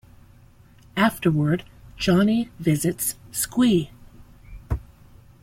Afterward, Johnny visits Squee.